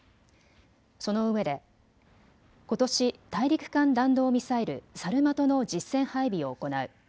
そのうえでことし大陸間弾道ミサイル、サルマトの実戦配備を行う。